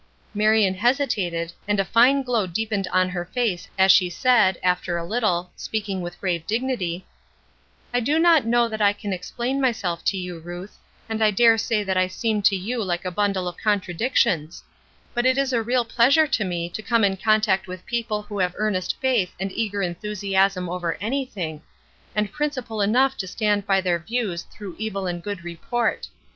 Marion hesitated, and a fine glow deepened on her face as she said, after a little, speaking with grave dignity: "I do not know that I can explain myself to you, Ruth, and I dare say that I seem to you like a bundle of contradictions; but it is a real pleasure to me to come in contact with people who have earnest faith and eager enthusiasm over anything, and principle enough to stand by their views through evil and good report.